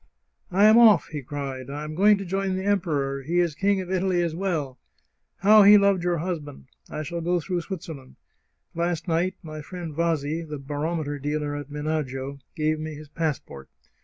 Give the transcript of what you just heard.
" I am off !" he cried. " I am going to join the Em peror ! He is King of Italy as well ! How he loved your husband! I shall go through Switzerland. Last night my friend Vasi, the barometer dealer at Menagio, gave me his passport.